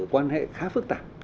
quan hệ khá phức tạp